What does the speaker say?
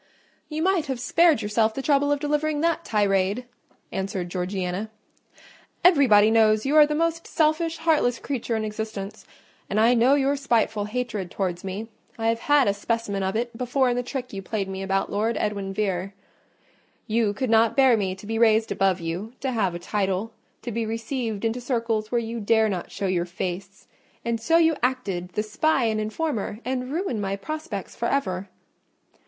"You might have spared yourself the trouble of delivering that tirade," answered Georgiana. "Everybody knows you are the most selfish, heartless creature in existence: and I know your spiteful hatred towards me: I have had a specimen of it before in the trick you played me about Lord Edwin Vere: you could not bear me to be raised above you, to have a title, to be received into circles where you dare not show your face, and so you acted the spy and informer, and ruined my prospects for ever."